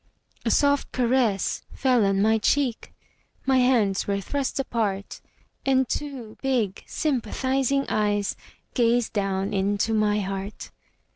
A soft caress fell on my cheek, My hands were thrust apart. And two big sympathizing eyes Gazed down into my heart.